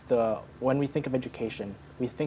ketika kita berpikir tentang pendidikan